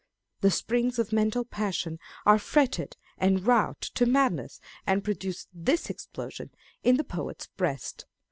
The springs of mental passion are fretted and wrought to madness, and produce this explosion in the poet's breast.